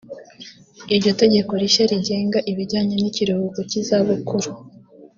Iryo tegeko rishya rigenga ibijyanye n’ikiruhuko cy’izabukuru